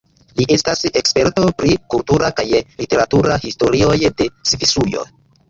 Li estas eksperto pri kultura kaj literatura historioj de Svisujo.